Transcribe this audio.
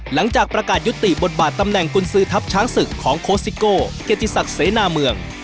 หลังจากประกาศยุติบทบาทตำแหน่งกุญสือทัพช้างศึกของโคสิโก้เกียรติศักดิ์เสนาเมือง